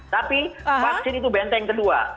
tapi vaksin itu benteng kedua